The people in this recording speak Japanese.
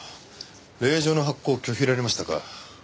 令状の発行拒否られましたか。